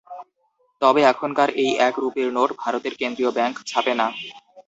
তবে এখনকার এই এক রুপির নোট ভারতের কেন্দ্রীয় ব্যাংক ছাপে না।